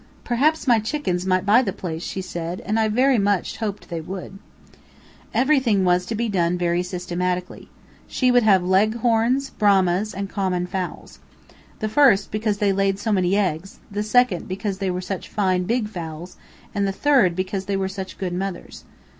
"Perhaps my chickens may buy the place," she said, and I very much hoped they would. Everything was to be done very systematically. She would have Leghorns, Brahmas, and common fowls. The first, because they laid so many eggs; the second, because they were such fine, big fowls, and the third, because they were such good mothers.